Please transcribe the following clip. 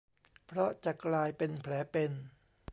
เพราะจะกลายเป็นแผลเป็น